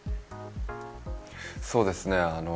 そうですね。